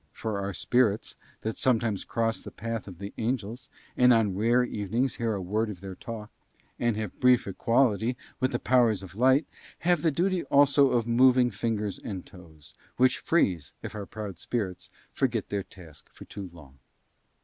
For our spirits that sometimes cross the path of the angels, and on rare evenings hear a word of their talk, and have brief equality with the Powers of Light, have the duty also of moving fingers and toes, which freeze if our proud spirits forget their task for too long.